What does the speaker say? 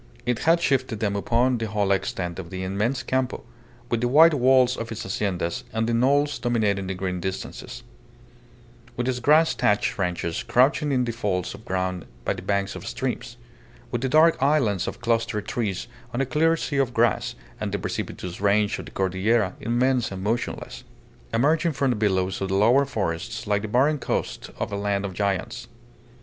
It had shifted them upon the whole extent of the immense Campo, with the white walls of its haciendas on the knolls dominating the green distances; with its grass thatched ranches crouching in the folds of ground by the banks of streams; with the dark islands of clustered trees on a clear sea of grass, and the precipitous range of the Cordillera, immense and motionless, emerging from the billows of the lower forests like the barren coast of a land of giants.